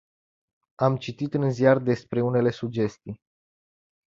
Am citit în ziar despre unele sugestii.